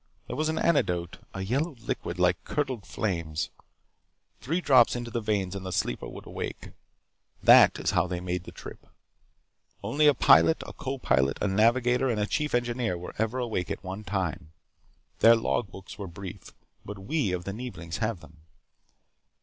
There was an antidote, a yellow liquid like curdled flames. Three drops into the veins and the sleeper would awake. That is how they made the trip. Only a pilot, a co pilot, a navigator, and a chief engineer were ever awake at one time. Their log books were brief. But we of the Neeblings have them.